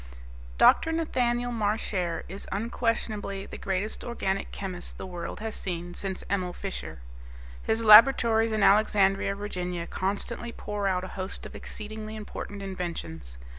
Dr. Nathaniel Marchare is unquestionably the greatest organic chemist the world has seen since Emil Fischer. His laboratories in Alexandria, Virginia, constantly pour out a host of exceedingly important inventions.